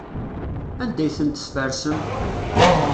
Anda ay tent-tfersem?